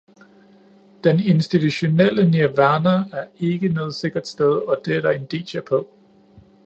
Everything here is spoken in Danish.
Det institutionelle nirvana er ikke noget sikkert sted, og det er der indicier på.